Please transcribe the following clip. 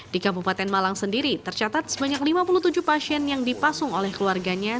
di kabupaten malang sendiri tercatat sebanyak lima puluh tujuh pasien yang dipasung oleh keluarganya